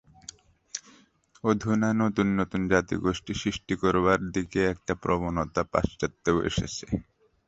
অধুনা নূতন নূতন জাতিগোষ্ঠী সৃষ্টি করবার দিকে একটি প্রবণতা পাশ্চাত্ত্যেও এসেছে।